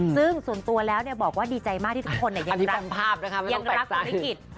ซึ่งส่วนตัวแล้วบอกว่าดีใจมากที่ทุกคนยังรักยังรักธุรกิจ